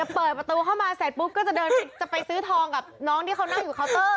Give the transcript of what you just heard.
เปิดประตูเข้ามาเสร็จปุ๊บก็จะเดินจะไปซื้อทองกับน้องที่เขานั่งอยู่เคาน์เตอร์